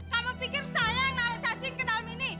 kamu pikir saya naruh cacing ke dalam ini